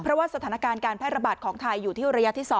เพราะว่าสถานการณ์การแพร่ระบาดของไทยอยู่ที่ระยะที่๒